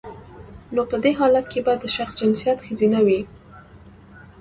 نو په دی حالت کې به د شخص جنسیت خځینه وي